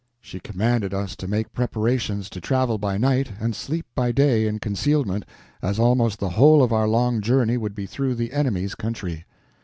She commanded us to make preparations to travel by night and sleep by day in concealment, as almost the whole of our long journey would be through the enemy's country.